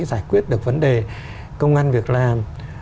giải quyết được vấn đề công an việc làm